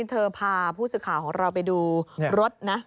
เธอพาผู้สื่อข่าวของเราไปดูรถนะ